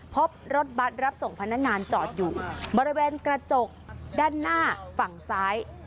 พบรถบัตรรับส่งพนักงานจอดอยู่บริเวณกระจกด้านหน้าฝั่งซ้าย